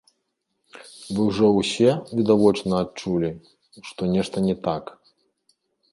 Вы ўжо ўсе, відавочна, адчулі, што нешта не так?